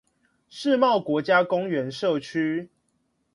世貿國家公園社區